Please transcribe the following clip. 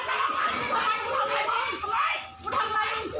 กลับมาพร้อมขอบความ